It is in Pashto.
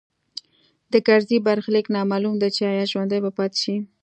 د کرزي برخلیک نامعلوم دی چې ایا ژوندی به پاتې شي